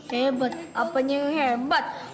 hebat apanya yang hebat